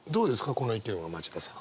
この意見は町田さん。